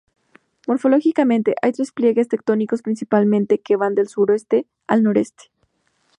Morfológicamente, hay tres pliegues tectónicos principales que van del suroeste al noreste.